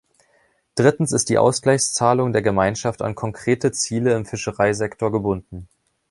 Drittens ist die Ausgleichszahlung der Gemeinschaft an konkrete Ziele im Fischereisektor gebunden.